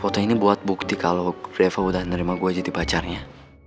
foto ini buat bukti kalau freva udah nerima gue jadi pacarnya